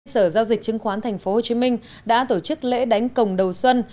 sở giao dịch chứng khoán tp hcm đã tổ chức lễ đánh công đầu xuân